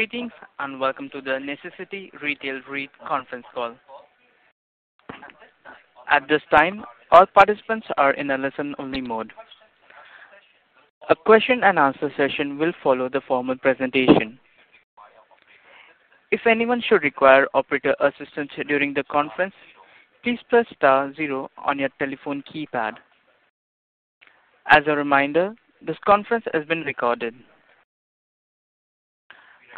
Greetings, and welcome to the Necessity Retail REIT conference call. At this time, all participants are in a listen-only mode. A question-and-answer session will follow the formal presentation. If anyone should require operator assistance during the conference, please press star zero on your telephone keypad. As a reminder, this conference is being recorded.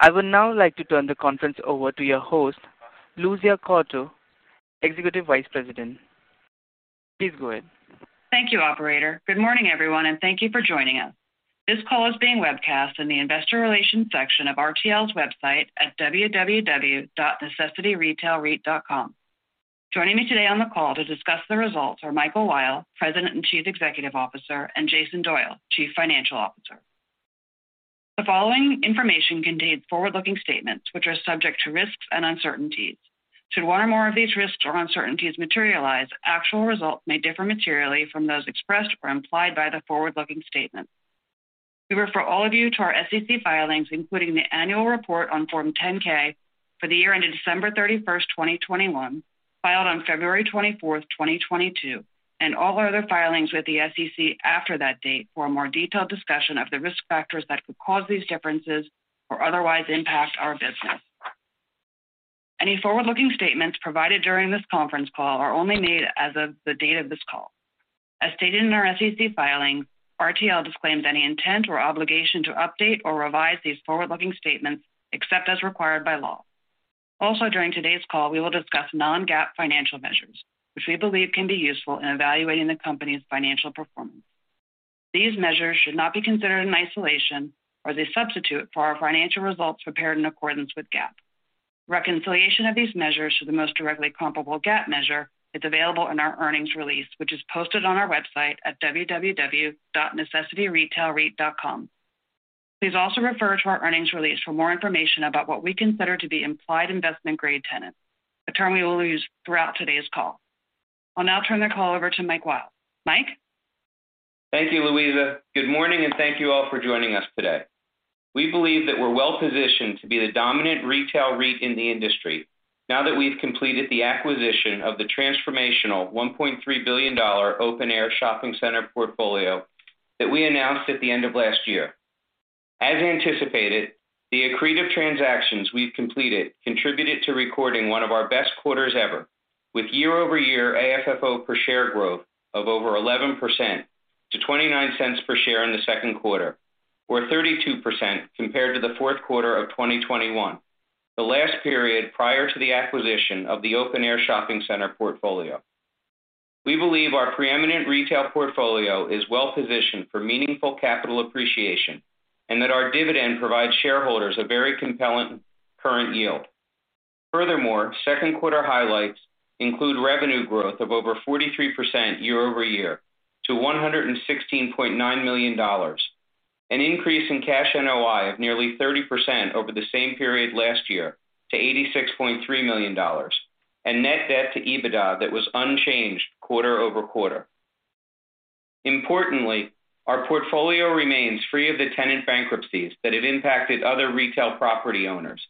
I would now like to turn the conference over to your host, Louisa Quarto, Executive Vice President. Please go ahead. Thank you, operator. Good morning, everyone, and thank you for joining us. This call is being webcast in the investor relations section of RTL's website at www.necessityretailreit.com. Joining me today on the call to discuss the results are Michael Weil, President and Chief Executive Officer, and Jason Doyle, Chief Financial Officer. The following information contains forward-looking statements which are subject to risks and uncertainties. Should one or more of these risks or uncertainties materialize, actual results may differ materially from those expressed or implied by the forward-looking statements. We refer all of you to our SEC filings, including the annual report on Form 10-K for the year ended December 31, 2021, filed on February 24, 2022, and all other filings with the SEC after that date for a more detailed discussion of the risk factors that could cause these differences or otherwise impact our business. Any forward-looking statements provided during this conference call are only made as of the date of this call. As stated in our SEC filing, RTL disclaims any intent or obligation to update or revise these forward-looking statements except as required by law. Also, during today's call, we will discuss non-GAAP financial measures, which we believe can be useful in evaluating the company's financial performance. These measures should not be considered in isolation or as a substitute for our financial results prepared in accordance with GAAP. Reconciliation of these measures to the most directly comparable GAAP measure is available in our earnings release, which is posted on our website at www.necessityretailreit.com. Please also refer to our earnings release for more information about what we consider to be implied investment grade tenants, a term we will use throughout today's call. I'll now turn the call over to Mike Weil. Mike. Thank you, Louisa. Good morning, and thank you all for joining us today. We believe that we're well-positioned to be the dominant retail REIT in the industry now that we've completed the acquisition of the transformational $1.3 billion open-air shopping center portfolio that we announced at the end of last year. As anticipated, the accretive transactions we've completed contributed to recording one of our best quarters ever with year-over-year AFFO per share growth of over 11% to $0.29 per share in the second quarter, or 32% compared to the fourth quarter of 2021, the last period prior to the acquisition of the open-air shopping center portfolio. We believe our preeminent retail portfolio is well-positioned for meaningful capital appreciation and that our dividend provides shareholders a very compelling current yield. Furthermore, second quarter highlights include revenue growth of over 43% year-over-year to $116.9 million, an increase in cash NOI of nearly 30% over the same period last year to $86.3 million, and net debt to EBITDA that was unchanged quarter over quarter. Importantly, our portfolio remains free of the tenant bankruptcies that have impacted other retail property owners,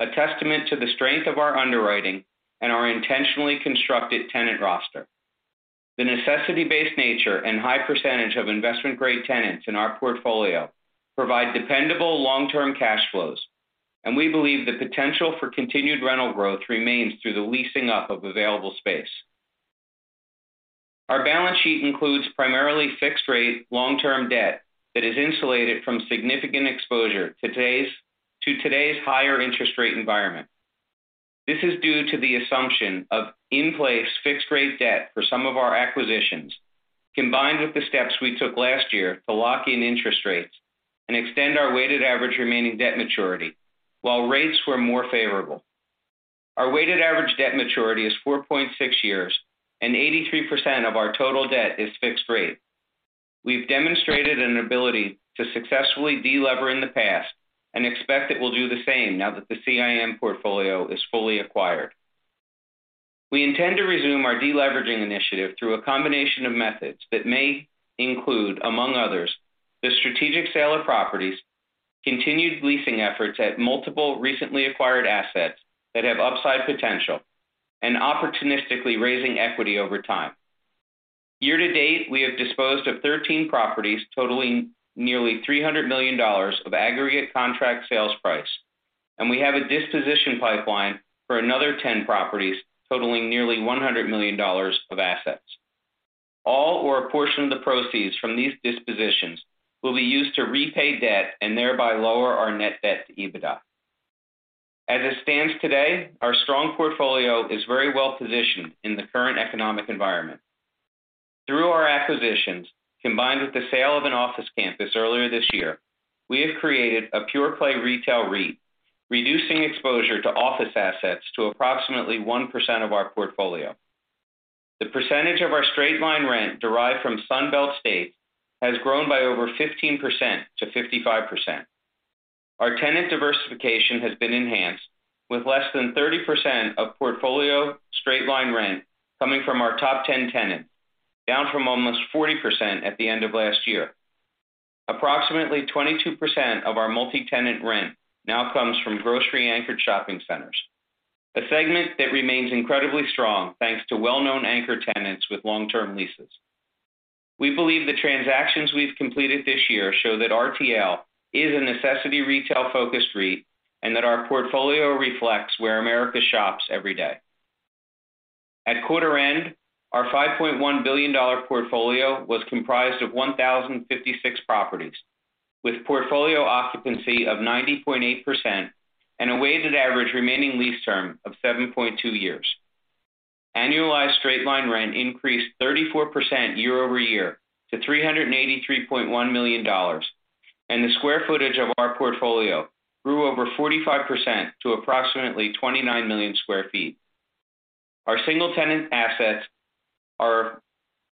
a testament to the strength of our underwriting and our intentionally constructed tenant roster. The necessity-based nature and high percentage of investment-grade tenants in our portfolio provide dependable long-term cash flows, and we believe the potential for continued rental growth remains through the leasing up of available space. Our balance sheet includes primarily fixed-rate long-term debt that is insulated from significant exposure to today's higher interest rate environment. This is due to the assumption of in-place fixed-rate debt for some of our acquisitions, combined with the steps we took last year to lock in interest rates and extend our weighted average remaining debt maturity while rates were more favorable. Our weighted average debt maturity is 4.6 years, and 83% of our total debt is fixed-rate. We've demonstrated an ability to successfully de-lever in the past and expect that we'll do the same now that the CIM portfolio is fully acquired. We intend to resume our de-leveraging initiative through a combination of methods that may include, among others, the strategic sale of properties, continued leasing efforts at multiple recently acquired assets that have upside potential, and opportunistically raising equity over time. Year to date, we have disposed of 13 properties totaling nearly $300 million of aggregate contract sales price, and we have a disposition pipeline for another 10 properties totaling nearly $100 million of assets. All or a portion of the proceeds from these dispositions will be used to repay debt and thereby lower our net debt to EBITDA. As it stands today, our strong portfolio is very well positioned in the current economic environment. Through our acquisitions, combined with the sale of an office campus earlier this year, we have created a pure play retail REIT, reducing exposure to office assets to approximately 1% of our portfolio. The percentage of our straight-line rent derived from Sun Belt states has grown by over 15%-55%. Our tenant diversification has been enhanced with less than 30% of portfolio straight-line rent coming from our top 10 tenants. Down from almost 40% at the end of last year. Approximately 22% of our multi-tenant rent now comes from grocery-anchored shopping centers, a segment that remains incredibly strong, thanks to well-known anchor tenants with long-term leases. We believe the transactions we've completed this year show that RTL is a necessity retail-focused REIT, and that our portfolio reflects where America shops every day. At quarter-end, our $5.1 billion portfolio was comprised of 1,056 properties, with portfolio occupancy of 90.8% and a weighted average remaining lease term of 7.2 years. Annualized straight-line rent increased 34% year-over-year to $383.1 million. The square footage of our portfolio grew over 45% to approximately 29 million sq ft. Our single-tenant assets are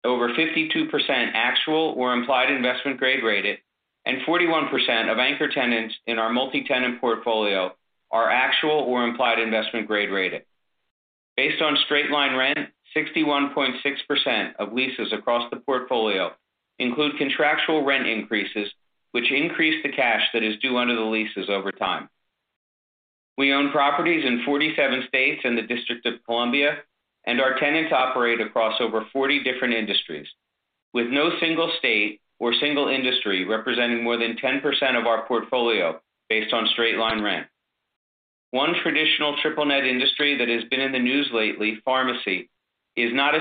over 52% actual or implied investment grade rated, and 41% of anchor tenants in our multi-tenant portfolio are actual or implied investment grade rated. Based on straight-line rent, 61.6% of leases across the portfolio include contractual rent increases, which increase the cash that is due under the leases over time. We own properties in 47 states and the District of Columbia, and our tenants operate across over 40 different industries, with no single state or single industry representing more than 10% of our portfolio based on straight-line rent. One traditional triple net industry that has been in the news lately, pharmacy, is not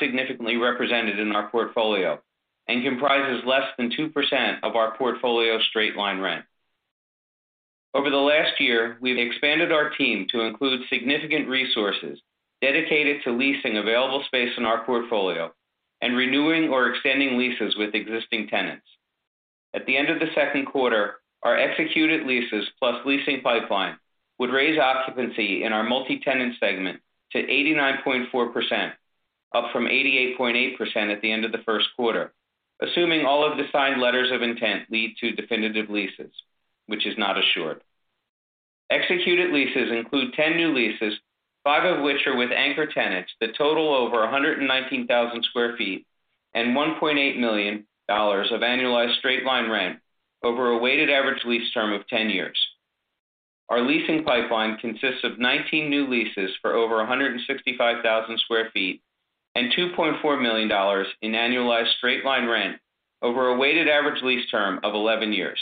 significantly represented in our portfolio and comprises less than 2% of our portfolio straight-line rent. Over the last year, we've expanded our team to include significant resources dedicated to leasing available space in our portfolio and renewing or extending leases with existing tenants. At the end of the second quarter, our executed leases plus leasing pipeline would raise occupancy in our multi-tenant segment to 89.4%, up from 88.8% at the end of the first quarter, assuming all of the signed letters of intent lead to definitive leases, which is not assured. Executed leases include 10 new leases, five of which are with anchor tenants that total over 119,000 sq ft and $1.8 million of annualized straight-line rent over a weighted average lease term of 10 years. Our leasing pipeline consists of 19 new leases for over 165,000 sq ft and $2.4 million in annualized straight-line rent over a weighted average lease term of 11 years.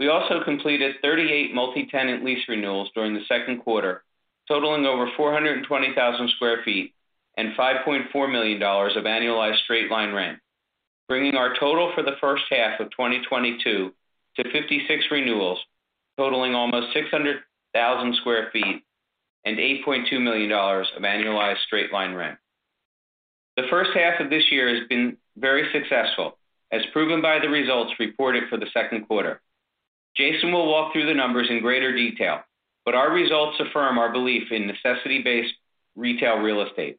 We also completed 38 multi-tenant lease renewals during the second quarter, totaling over 420,000 sq ft and $5.4 million of annualized straight-line rent, bringing our total for the first half of 2022 to 56 renewals, totaling almost 600,000 sq ft and $8.2 million of annualized straight-line rent. The first half of this year has been very successful, as proven by the results reported for the second quarter. Jason will walk through the numbers in greater detail, but our results affirm our belief in necessity-based retail real estate,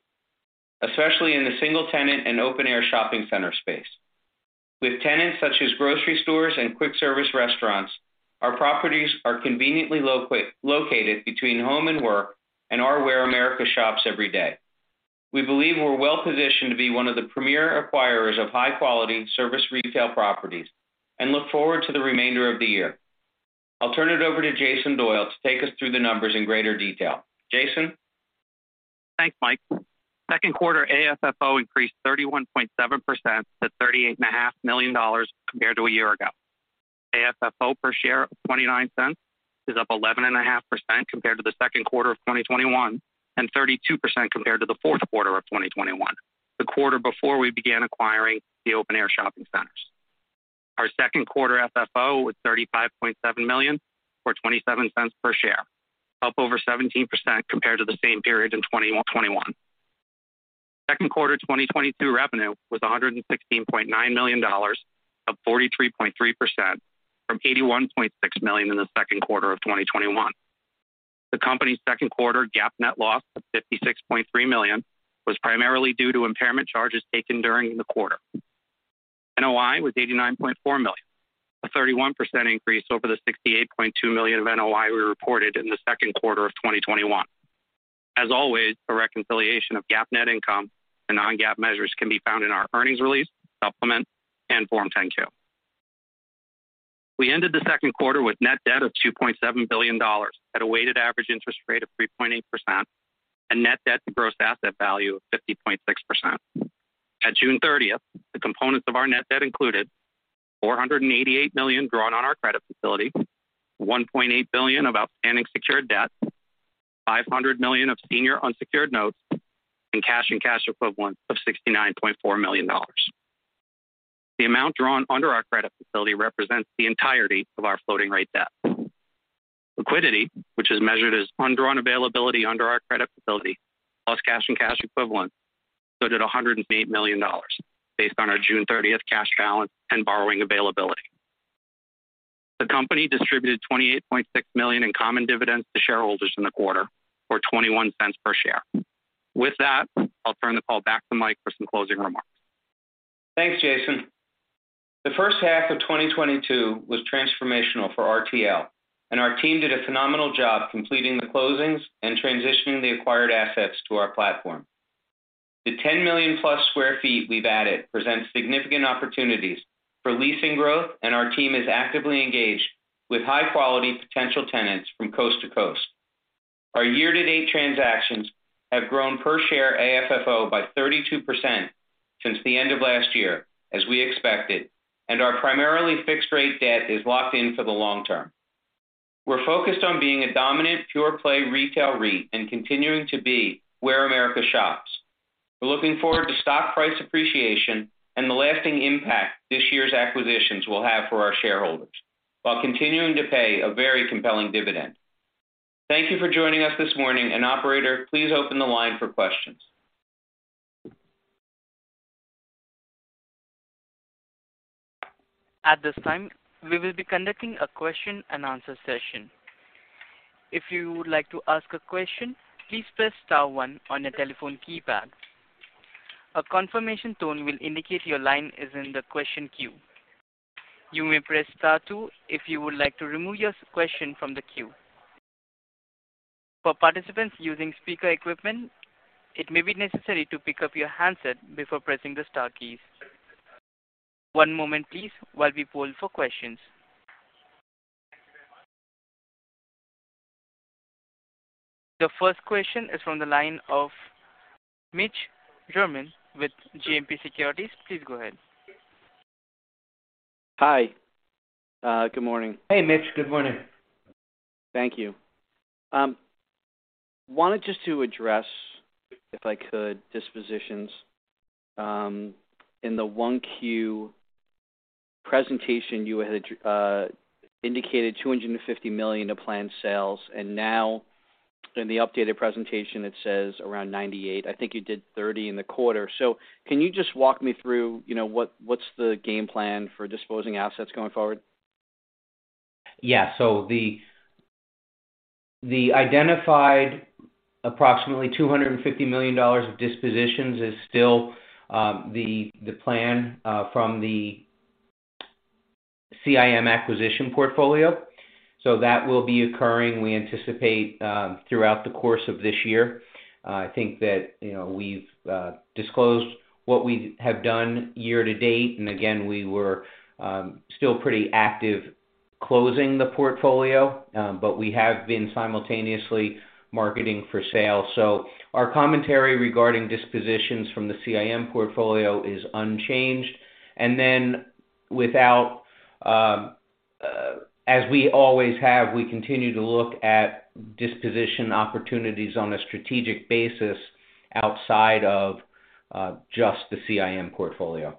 especially in the single tenant and open-air shopping center space. With tenants such as grocery stores and quick service restaurants, our properties are conveniently located between home and work and are where America shops every day. We believe we're well-positioned to be one of the premier acquirers of high-quality service retail properties and look forward to the remainder of the year. I'll turn it over to Jason Doyle to take us through the numbers in greater detail. Jason. Thanks, Mike. Second quarter AFFO increased 31.7% to $38.5 million compared to a year ago. AFFO per share of $0.29 is up 11.5% compared to the second quarter of 2021, and 32% compared to the fourth quarter of 2021, the quarter before we began acquiring the open-air shopping centers. Our second quarter FFO was $35.7 million, or $0.27 per share, up over 17% compared to the same period in 2021. Second quarter 2022 revenue was $116.9 million, up 43.3% from $81.6 million in the second quarter of 2021. The company's second quarter GAAP net loss of $56.3 million was primarily due to impairment charges taken during the quarter. NOI was $89.4 million, a 31% increase over the $68.2 million of NOI we reported in the second quarter of 2021. As always, a reconciliation of GAAP net income to non-GAAP measures can be found in our earnings release, supplement, and Form 10-Q. We ended the second quarter with net debt of $2.7 billion at a weighted average interest rate of 3.8%, a net debt to gross asset value of 50.6%. At June 30, the components of our net debt included $488 million drawn on our credit facility, $1.8 billion of outstanding secured debt, $500 million of senior unsecured notes, and cash and cash equivalents of $69.4 million. The amount drawn under our credit facility represents the entirety of our floating rate debt. Liquidity, which is measured as undrawn availability under our credit facility, plus cash and cash equivalents, stood at $108 million based on our June thirtieth cash balance and borrowing availability. The company distributed $28.6 million in common dividends to shareholders in the quarter, or $0.21 per share. With that, I'll turn the call back to Mike for some closing remarks. Thanks, Jason. The first half of 2022 was transformational for RTL, and our team did a phenomenal job completing the closings and transitioning the acquired assets to our platform. The 10 million+ sq ft we've added presents significant opportunities for leasing growth, and our team is actively engaged with high-quality potential tenants from coast to coast. Our year-to-date transactions have grown per share AFFO by 32% since the end of last year, as we expected, and our primarily fixed rate debt is locked in for the long term. We're focused on being a dominant pure play retail REIT and continuing to be where America shops. We're looking forward to stock price appreciation and the lasting impact this year's acquisitions will have for our shareholders, while continuing to pay a very compelling dividend. Thank you for joining us this morning. Operator, please open the line for questions. At this time, we will be conducting a question-and-answer session. If you would like to ask a question, please press star one on your telephone keypad. A confirmation tone will indicate your line is in the question queue. You may press star two if you would like to remove your question from the queue. For participants using speaker equipment, it may be necessary to pick up your handset before pressing the star keys. One moment, please, while we poll for questions. The first question is from the line of Mitch Germain with JMP Securities. Please go ahead. Hi. Good morning. Hey, Mitch. Good morning. Thank you. Wanted just to address, if I could, dispositions. In the 1Q presentation, you had indicated $250 million of planned sales, and now in the updated presentation, it says around $98. I think you did $30 in the quarter. Can you just walk me through, you know, what's the game plan for disposing assets going forward? Yeah. The identified approximately $250 million of dispositions is still the plan from the CIM acquisition portfolio. That will be occurring, we anticipate, throughout the course of this year. I think that, you know, we've disclosed what we have done year to date. Again, we were still pretty active closing the portfolio, but we have been simultaneously marketing for sale. Our commentary regarding dispositions from the CIM portfolio is unchanged. Then without, as we always have, we continue to look at disposition opportunities on a strategic basis outside of just the CIM portfolio.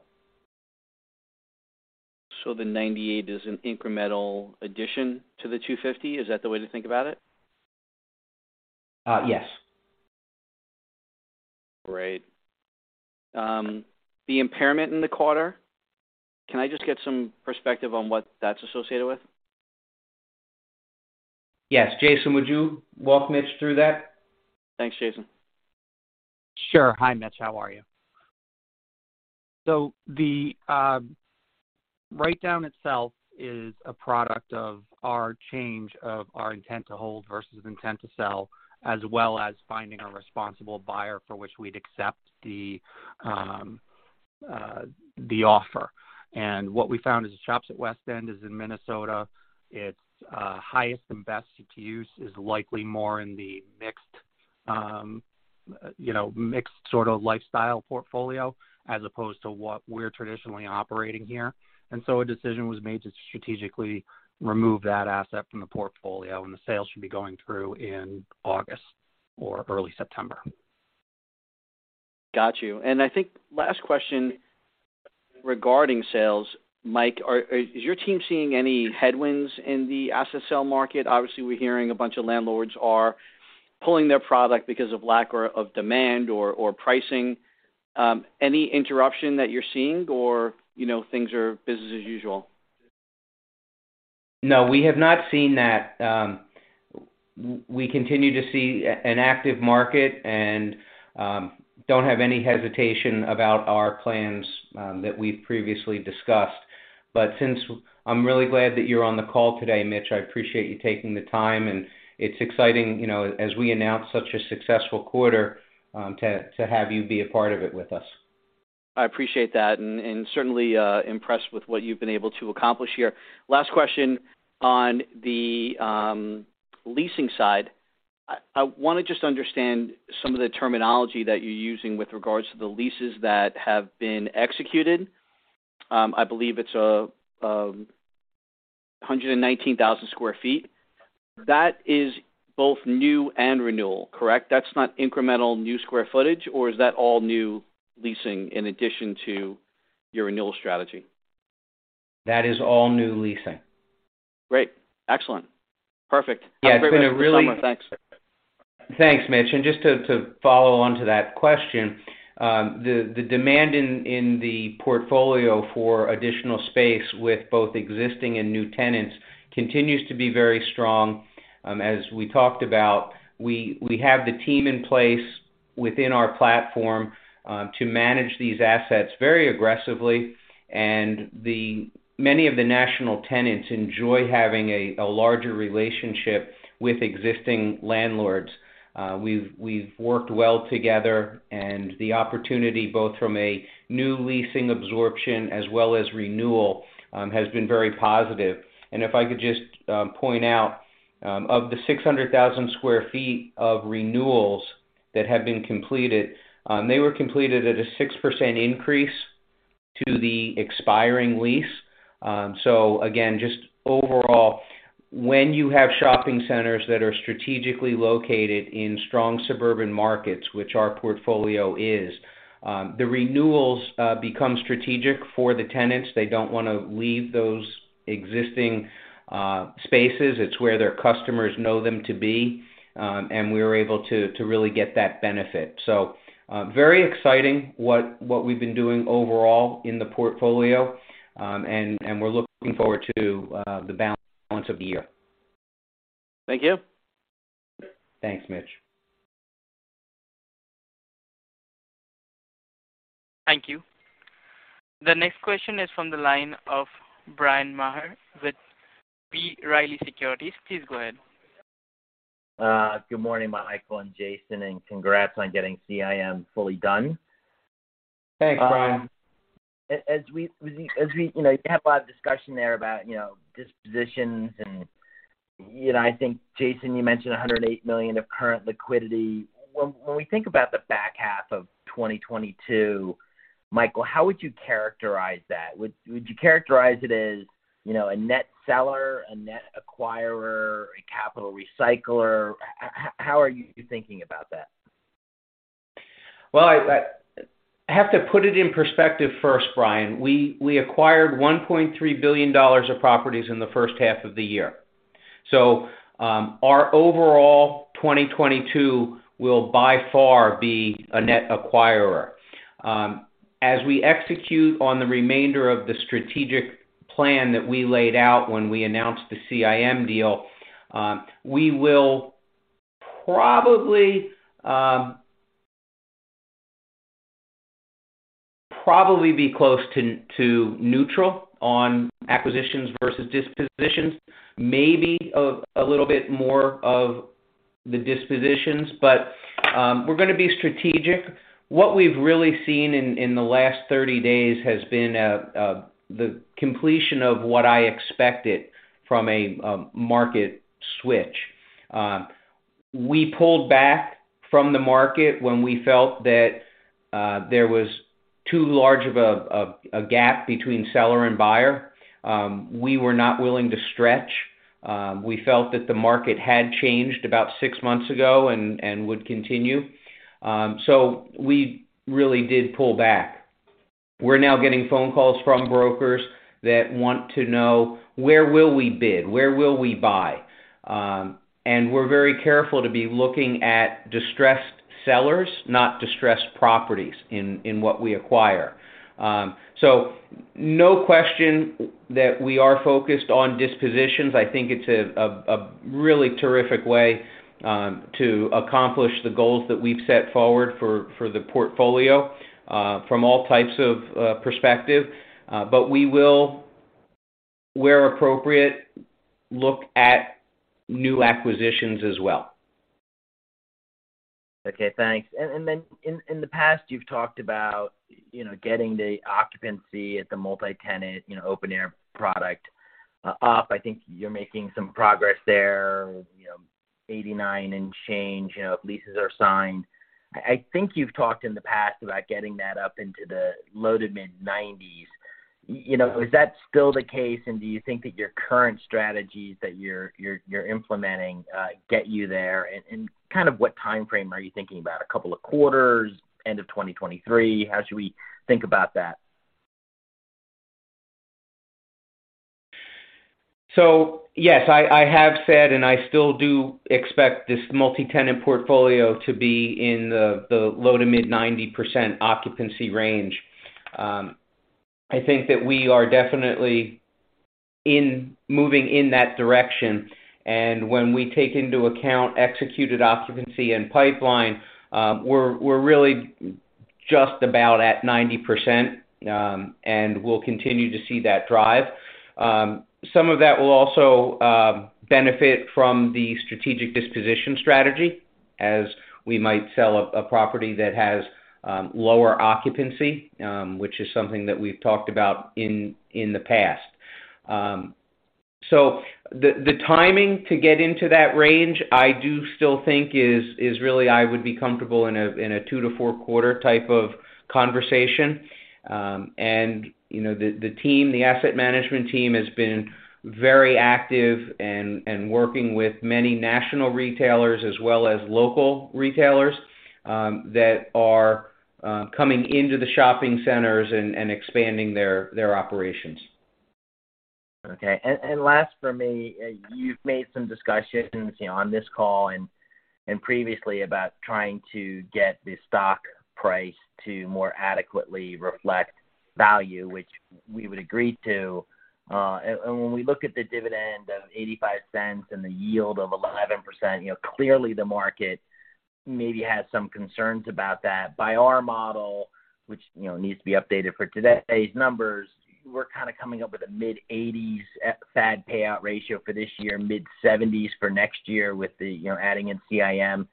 The 98 is an incremental addition to the 250? Is that the way to think about it? Yes. Great. The impairment in the quarter, can I just get some perspective on what that's associated with? Yes. Jason, would you walk Mitch through that? Thanks, Jason. Sure. Hi, Mitch. How are you? The write-down itself is a product of our change of our intent to hold versus intent to sell, as well as finding a responsible buyer for which we'd accept the offer. What we found is Shops at West End is in Minnesota. Its highest and best use is likely more in the mixed, you know, mixed sort of lifestyle portfolio as opposed to what we're traditionally operating here. A decision was made to strategically remove that asset from the portfolio, and the sale should be going through in August or early September. Got you. I think last question regarding sales, Mike. Are your team seeing any headwinds in the asset sale market? Obviously, we're hearing a bunch of landlords are pulling their product because of lack of demand or pricing. Any interruption that you're seeing or, you know, things are business as usual? No, we have not seen that. We continue to see an active market and don't have any hesitation about our plans that we've previously discussed. Since I'm really glad that you're on the call today, Mitch, I appreciate you taking the time, and it's exciting, you know, as we announce such a successful quarter to have you be a part of it with us. I appreciate that, and certainly impressed with what you've been able to accomplish here. Last question on the leasing side. I wanna just understand some of the terminology that you're using with regards to the leases that have been executed. I believe it's 119,000 sq ft. That is both new and renewal, correct? That's not incremental new square footage, or is that all new leasing in addition to your renewal strategy? That is all new leasing. Great. Excellent. Perfect. Yeah. It's been a really Thanks. Thanks, Mitch. Just to follow on to that question, the demand in the portfolio for additional space with both existing and new tenants continues to be very strong. As we talked about, we have the team in place within our platform to manage these assets very aggressively. Many of the national tenants enjoy having a larger relationship with existing landlords. We've worked well together, and the opportunity, both from a new leasing absorption as well as renewal, has been very positive. If I could just point out, of the 600,000 sq ft of renewals that have been completed, they were completed at a 6% increase to the expiring lease. Again, just overall, when you have shopping centers that are strategically located in strong suburban markets, which our portfolio is, the renewals become strategic for the tenants. They don't wanna leave those existing spaces. It's where their customers know them to be. We were able to really get that benefit. Very exciting what we've been doing overall in the portfolio. We're looking forward to the balance of the year. Thank you. Thanks, Mitch. Thank you. The next question is from the line of Bryan Maher with B. Riley Securities. Please go ahead. Good morning, Michael and Jason, and congrats on getting CIM fully done. Thanks, Bryan. You know, you have a lot of discussion there about, you know, dispositions and, you know, I think, Jason, you mentioned $108 million of current liquidity. When we think about the back half of 2022, Michael, how would you characterize that? Would you characterize it as, you know, a net seller, a net acquirer, a capital recycler? How are you thinking about that? Well, I have to put it in perspective first, Bryan. We acquired $1.3 billion of properties in the first half of the year. Our overall 2022 will by far be a net acquirer. As we execute on the remainder of the strategic plan that we laid out when we announced the CIM deal, we will probably be close to neutral on acquisitions versus dispositions, maybe a little bit more of the dispositions. We're gonna be strategic. What we've really seen in the last 30 days has been the completion of what I expected from a market switch. We pulled back from the market when we felt that there was too large of a gap between seller and buyer. We were not willing to stretch. We felt that the market had changed about six months ago and would continue. We really did pull back. We're now getting phone calls from brokers that want to know where will we bid, where will we buy. We're very careful to be looking at distressed sellers, not distressed properties in what we acquire. No question that we are focused on dispositions. I think it's a really terrific way to accomplish the goals that we've set forward for the portfolio from all types of perspective. We will, where appropriate, look at new acquisitions as well. Okay, thanks. In the past, you've talked about, you know, getting the occupancy at the multi-tenant, you know, open-air product up. I think you're making some progress there, you know, 89% and change, you know, leases are signed. I think you've talked in the past about getting that up into the low to mid-90s. You know, is that still the case, and do you think that your current strategies that you're implementing get you there? Kind of what timeframe are you thinking about? A couple of quarters? End of 2023? How should we think about that? Yes, I have said, and I still do expect this multi-tenant portfolio to be in the low- to mid-90% occupancy range. I think that we are definitely moving in that direction. When we take into account executed occupancy and pipeline, we're really just about at 90%, and we'll continue to see that drive. Some of that will also benefit from the strategic disposition strategy as we might sell a property that has lower occupancy, which is something that we've talked about in the past. The timing to get into that range, I do still think is really. I would be comfortable in a two- to four-quarter type of conversation. You know, the asset management team has been very active and working with many national retailers as well as local retailers that are coming into the shopping centers and expanding their operations. Okay. Last for me, you've made some discussions, you know, on this call and previously about trying to get the stock price to more adequately reflect value which we would agree to. When we look at the dividend of $0.85 and the yield of 11%, you know, clearly the market maybe has some concerns about that. By our model, which, you know, needs to be updated for today's numbers, we're kind of coming up with a mid-80s FAD payout ratio for this year, mid-70s for next year with the, you know, adding in CIM.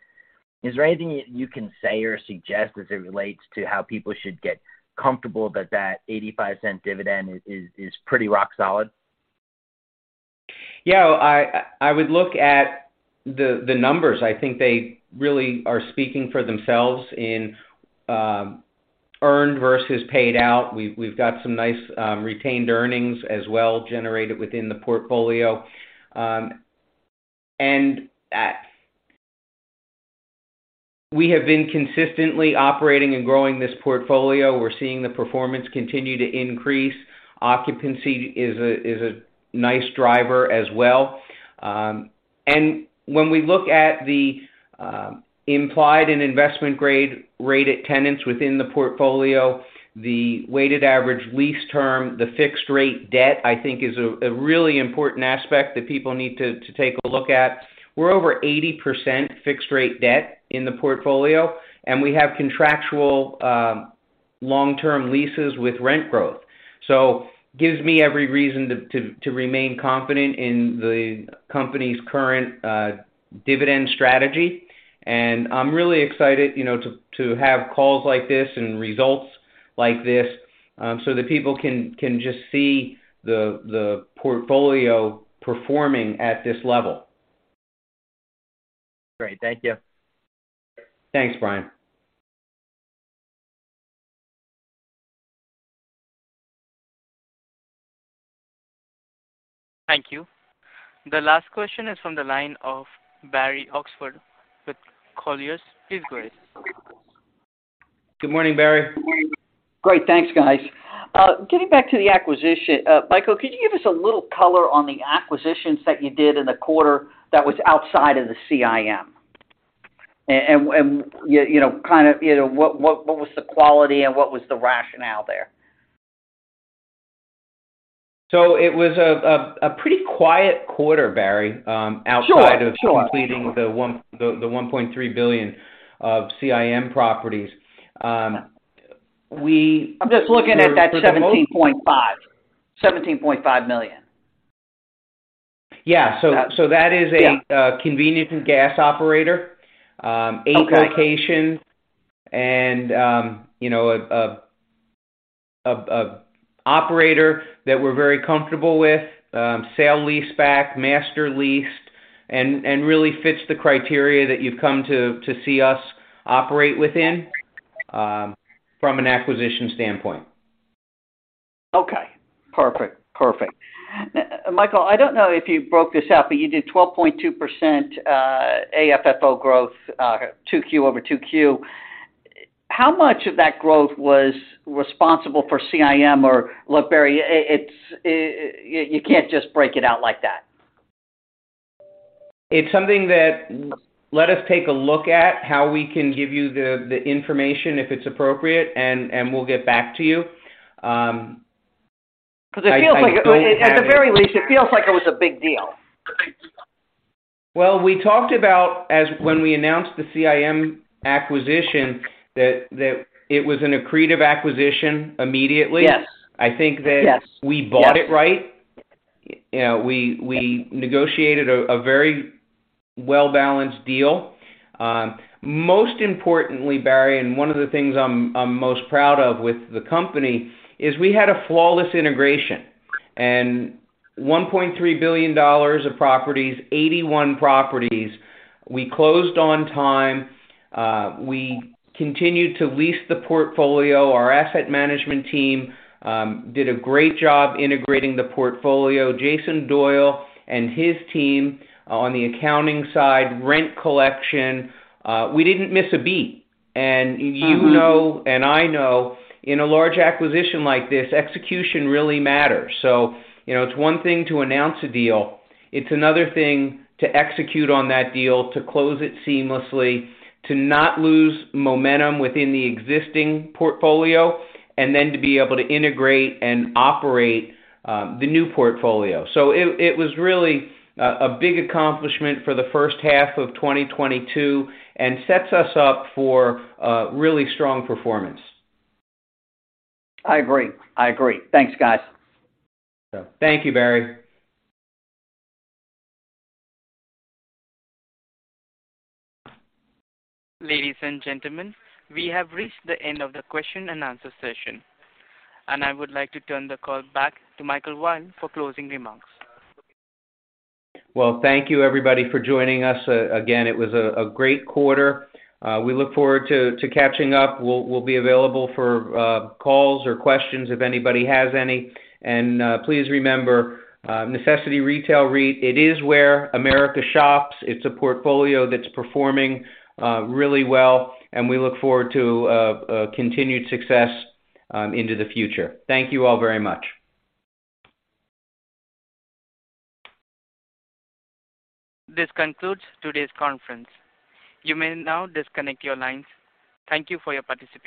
Is there anything you can say or suggest as it relates to how people should get comfortable that that $0.85 dividend is pretty rock solid? Yeah. I would look at the numbers. I think they really are speaking for themselves in earned versus paid out. We've got some nice retained earnings as well generated within the portfolio. We have been consistently operating and growing this portfolio. We're seeing the performance continue to increase. Occupancy is a nice driver as well. When we look at the investment grade-rated tenants within the portfolio, the weighted average lease term, the fixed-rate debt, I think is a really important aspect that people need to take a look at. We're over 80% fixed-rate debt in the portfolio, and we have contractual long-term leases with rent growth. Gives me every reason to remain confident in the company's current dividend strategy. I'm really excited, you know, to have calls like this and results like this, so that people can just see the portfolio performing at this level. Great. Thank you. Thanks, Bryan. Thank you. The last question is from the line of Barry Oxford with Colliers. Please go ahead. Good morning, Barry. Great. Thanks, guys. Getting back to the acquisition. Michael, could you give us a little color on the acquisitions that you did in the quarter that was outside of the CIM? You know, kind of, you know, what was the quality and what was the rationale there? It was a pretty quiet quarter, Barry. Sure, sure. outside of completing the $1.3 billion of CIM properties. We- I'm just looking at that $17.5. $17.5 million. Yeah. That is a convenience and gas operator, eight locations and, you know, a operator that we're very comfortable with, sale lease back, master leased, and really fits the criteria that you've come to see us operate within, from an acquisition standpoint. Perfect. Michael, I don't know if you broke this out, but you did 12.2% AFFO growth, 2Q over 2Q. How much of that growth was responsible for CIM or. Look, Barry, it's, you can't just break it out like that. It's something that let us take a look at how we can give you the information if it's appropriate, and we'll get back to you. 'Cause it feels like. I don't have. At the very least, it feels like it was a big deal. Well, we talked about, as when we announced the CIM acquisition, that it was an accretive acquisition immediately. Yes. I think that. Yes... we bought it right. We negotiated a very well-balanced deal. Most importantly, Barry, one of the things I'm most proud of with the company is we had a flawless integration. $1.3 billion of properties, 81 properties, we closed on time. We continued to lease the portfolio. Our asset management team did a great job integrating the portfolio. Jason Doyle and his team on the accounting side, rent collection, we didn't miss a beat. You know and I know in a large acquisition like this, execution really matters. You know, it's one thing to announce a deal, it's another thing to execute on that deal, to close it seamlessly, to not lose momentum within the existing portfolio, and then to be able to integrate and operate the new portfolio. It was really a big accomplishment for the first half of 2022 and sets us up for really strong performance. I agree. Thanks, guys. Thank you, Barry. Ladies and gentlemen, we have reached the end of the question and answer session, and I would like to turn the call back to Michael Weil for closing remarks. Well, thank you, everybody, for joining us. Again, it was a great quarter. We look forward to catching up. We'll be available for calls or questions if anybody has any. Please remember, Necessity Retail REIT, it is where America shops. It's a portfolio that's performing really well, and we look forward to continued success into the future. Thank you all very much. This concludes today's conference. You may now disconnect your lines. Thank you for your participation.